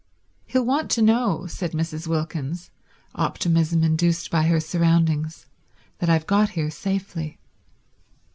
"He'll want to know," said Mrs. Wilkins, optimism induced by her surroundings, "that I've got here safely."